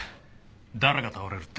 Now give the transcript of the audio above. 誰が倒れるって？